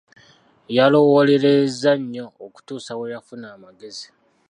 Yalowoolereza nnyo okutuusa Iwe yafuna amagezi.